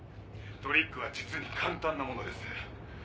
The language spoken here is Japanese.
トリックは実に簡単なものです。